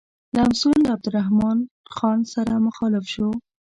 لمسون له عبدالرحمن خان سره مخالف شو.